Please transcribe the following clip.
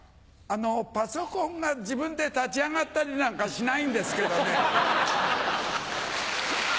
パソコンが自分で立ち上がったりなんかしないんですけどね。